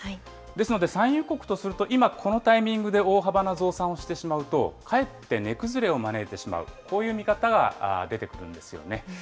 ですので産油国とすると、今このタイミングで大幅な増産をしてしまうと、かえって値崩れを招いてしまう、こういう見方が出てくるんですよね。